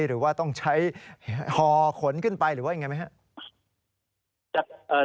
หรือว่าต้องใช้ห่อขนขึ้นไปหรือว่ายังไงไหมครับ